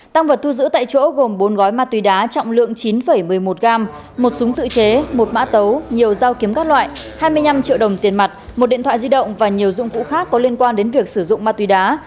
tăng vật thu giữ tại chỗ gồm bốn gói ma túy đá trọng lượng chín một mươi một gram một súng tự chế một mã tấu nhiều dao kiếm các loại hai mươi năm triệu đồng tiền mặt một điện thoại di động và nhiều dụng cụ khác có liên quan đến việc sử dụng ma túy đá